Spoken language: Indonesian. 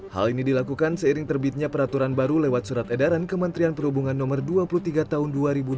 hal ini dilakukan seiring terbitnya peraturan baru lewat surat edaran kementerian perhubungan no dua puluh tiga tahun dua ribu dua puluh